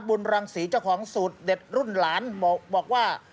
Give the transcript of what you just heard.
รังศรีเจ้าของสูตรเด็ดรุ่นหลานบอกว่า